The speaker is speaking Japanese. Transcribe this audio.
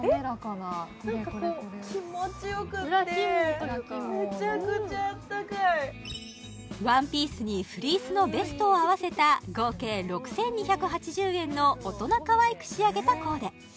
なんかこう裏起毛というか裏起毛のワンピースにフリースのベストを合わせた合計６２８０円の大人かわいく仕上げたコーデ